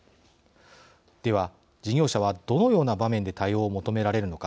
では、事業者はどのような場面で対応を求められるのか。